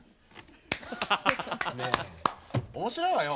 ねえ面白いわよ。